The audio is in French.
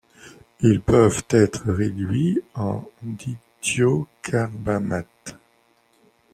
Ils peuvent être réduits en dithiocarbamates.